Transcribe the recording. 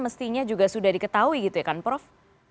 mestinya juga sudah diketahui gitu ya kan prof